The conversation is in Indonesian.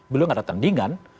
beliau gak ada tandingan